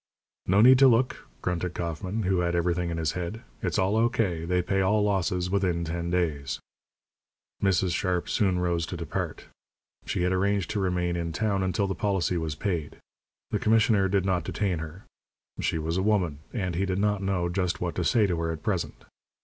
"No need to look," grunted Kauffman, who had everything in his head. "It's all O.K. They pay all losses within ten days." Mrs. Sharp soon rose to depart. She had arranged to remain in town until the policy was paid. The commissioner did not detain her. She was a woman, and he did not know just what to say to her at present.